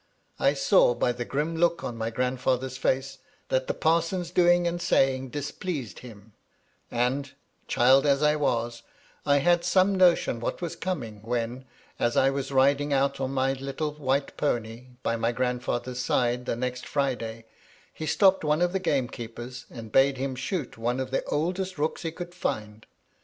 I saw by the grim look of my grandfather's face that the parson's doing and saying displeased him ; and, child as I was, I had some notion what was coming, when, as I was riding out on my little, white pony, by my grandfather's side, the next Friday, he stopped one of the gamekeepers, and bade him shoot one of the oldest rooks he could find.